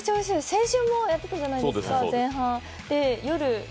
先週もやっていたじゃないですか。